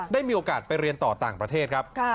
ได้มีโอกาสไปเรียนต่อต่างประเทศครับ